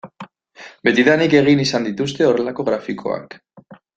Betidanik egin izan dituzte horrelako grafikoak.